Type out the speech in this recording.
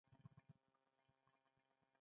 غږونه زموږ د فکرونو رنگ بدلوي.